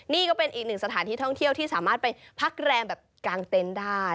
นี่ก็เป็นอีกหนึ่งสถานที่ท่องเที่ยวที่สามารถไปพักแรมแบบกลางเต็นต์ได้